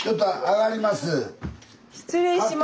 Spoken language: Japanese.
失礼します